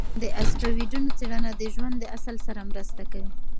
د اسټروېډونو څېړنه د ژوند د اصل سره مرسته کوي.